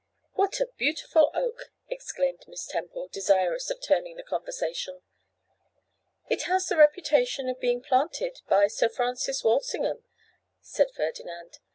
'What a beautiful oak!' exclaimed Miss Temple, desirous of turning the conversation. 'It has the reputation of being planted by Sir Francis Walsingham,' said Ferdinand.